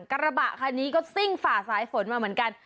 กระบะคันนี้ก็ซิ่งฝ่าสายฝนมาเหมือนกัน